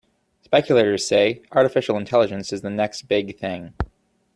Speculators say artificial intelligence is the next big thing.